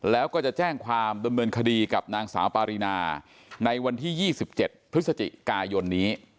แล้วก็จะแจ้งความดำเนินคดีกับนางสาวปารีนาในวันที่๒๗พฤศจิกายนนี้